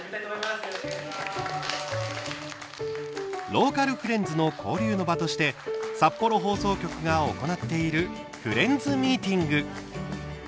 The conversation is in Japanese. ローカルフレンズの交流の場として札幌放送局が行っているフレンズミーティング。